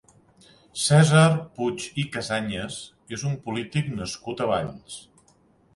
Cèsar Puig i Casañas és un polític nascut a Valls.